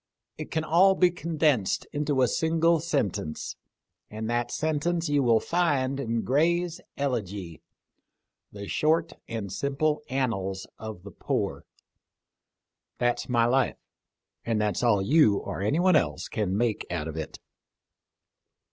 It can all be condensed into a single sentence, and that sentence you will find in Gray's Elegy, ' The short and simple annals of the poor.' That's my life, and that's all you or anyone else can make out of it."